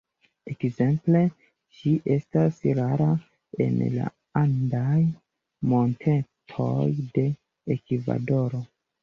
Ekzemple ĝi estas rara en la andaj montetoj de Ekvadoro.